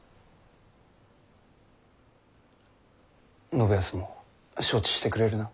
信康も承知してくれるな？